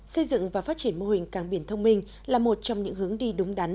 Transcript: xây dựng và phát triển mô hình càng biển thông minh là một trong những hướng đi đúng đắn